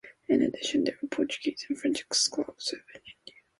In addition, there were Portuguese and French exclaves in India.